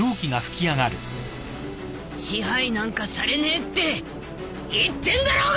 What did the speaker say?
支配なんかされねえって言ってんだろうが！